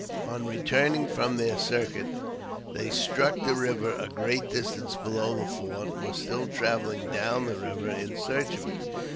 On returning from their circuit, they struck th|l river a great distance below the fort, and were still travelling down the river in search of it.